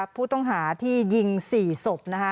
ผู้ต้องหาที่ยิง๔ศพนะคะ